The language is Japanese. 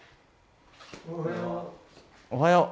おはよう。